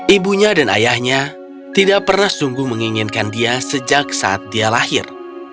ibunya dan ayahnya tidak pernah sungguh menginginkan dia sejak saat dia lahir